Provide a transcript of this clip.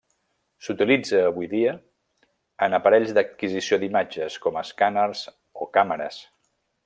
S'utilitza, avui en dia, en aparells d'adquisició d'imatges, com escàners o càmeres.